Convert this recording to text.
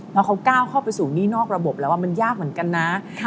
แล้วเขาก้าวเข้าไปสู่หนี้นอกระบบแล้วมันยากเหมือนกันนะ